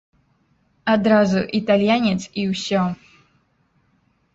Адразу італьянец і ўсё.